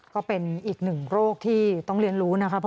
ก็เป็นอีกหนึ่งโรคที่ต้องเรียนรู้นะครับ